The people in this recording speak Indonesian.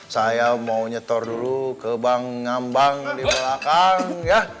saya mau nyetor dulu ke bank ngambang di belakang ya